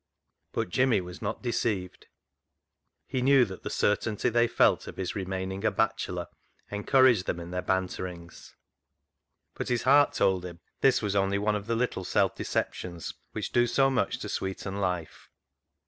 But Jimmy was not deceived. He knew that the certainty they felt of his remaining a bachelor encouraged them in their banterings. But his heart told him this was only one of the little self deceptions which do so much to sweeten life.